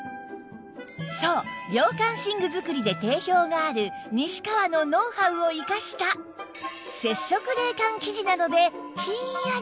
そう涼感寝具作りで定評がある西川のノウハウを生かした接触冷感生地なのでひんやり